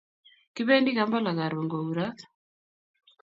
Kipendi kampla karun kourot